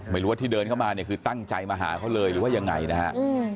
ไม่รู้ว่าที่เดินเข้ามาเนี่ยคือตั้งใจมาหาเขาเลยหรือว่ายังไงนะฮะ